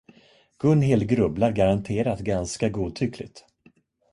Gunhild grubblar garanterat ganska godtyckligt.